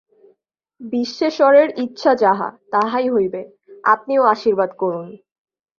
বিশ্বেশ্বরের ইচ্ছা যাহা, তাহাই হইবে, আপনিও আশীর্বাদ করুন।